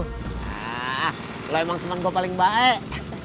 nah lo emang teman gue paling baik